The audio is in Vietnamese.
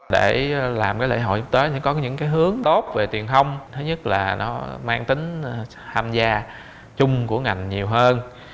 để làm lễ hội tới thì có những hướng tốt về tiền thông thứ nhất là nó mang tính tham gia chung của ngành nhiều hơn